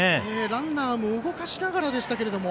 ランナーも動かしながらでしたが。